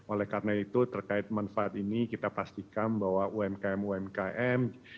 oleh karena itu terkait manfaat ini kita pastikan bahwa umkm umkm